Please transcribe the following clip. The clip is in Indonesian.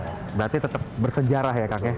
berarti tetap bersejarah ya kakek